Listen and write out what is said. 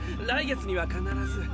来月には必ず。